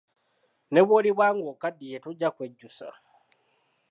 Ne bw’oliba ng’okaddiye tojja kwejjusa.